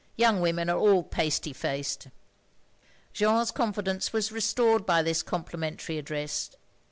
Young women are all pasty faced." Jeanne's confidence was restored by this com plimentary address.